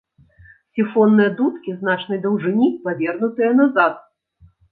Сіфонныя дудкі значнай даўжыні, павернутыя назад.